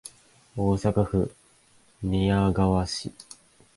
大阪府寝屋川市